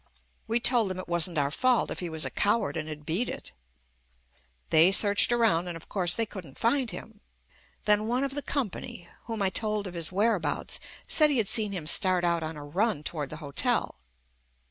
We told them it wasn't our fault if he was a coward and had beat it. They searched around and, of course, they couldn't find him. Then one of the company, whom I had told of his whereabouts, said he had seen him start out on a run toward the hotel.